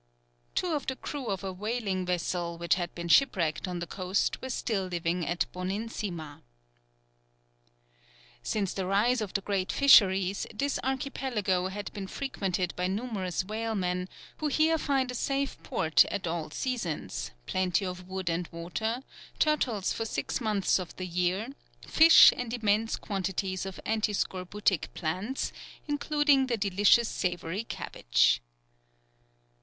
Two of the crew of a whaling vessel, which had been shipwrecked on the coast, were still living at Bonin Sima. Since the rise of the great fisheries, this Archipelago has been frequented by numerous whalemen, who here find a safe port at all seasons, plenty of wood and water, turtles for six months of the year, fish, and immense quantities of anti scorbutic plants, including the delicious savoy cabbage.